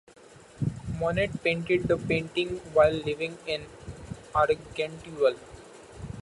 Monet painted the painting while living in Argenteuil.